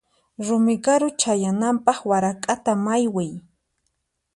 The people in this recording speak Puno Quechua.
Rumi karu chayananpaq warak'ata maywiy.